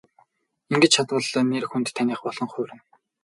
Ингэж чадвал нэр хүнд таных болон хувирна.